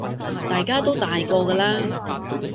大家都大個㗎喇